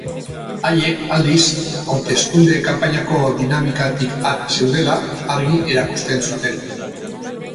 Haiek, aldiz, hauteskunde kanpainako dinamikatik at zeudela argi erakusten zuten.